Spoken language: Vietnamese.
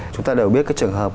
chúng ta đều biết cái trường hợp